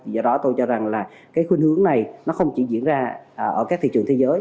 do đó tôi cho rằng là khuyến hướng này không chỉ diễn ra ở các thị trường thế giới